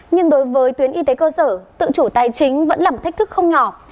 nhưng đối với tuyến y tế cơ sở tự chủ tài chính vẫn là một thách thức không nhỏ